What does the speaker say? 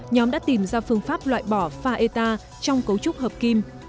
nhóm đã tìm ra phương pháp loại bỏ pha eta trong cấu trúc hợp kim